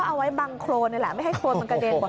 เอาไว้บังโครนนี่แหละไม่ให้โครนมันกระเด็นหมด